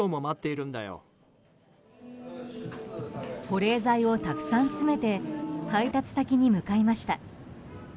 保冷剤をたくさん詰めて配達先に向かいました。